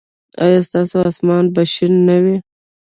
ایا ستاسو اسمان به شین نه وي؟